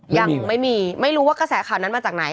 ยังไม่มีไม่รู้ว่ากระแสข่าวนั้นมาจากไหน